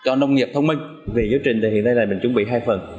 cho nông nghiệp thông minh vì giáo trình thì hiện nay là mình chuẩn bị hai phần